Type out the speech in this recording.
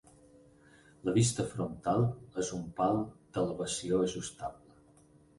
La vista frontal és un pal d'elevació ajustable.